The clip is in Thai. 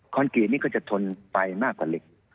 กรีตนี้ก็จะทนไปมากกว่าเหล็ก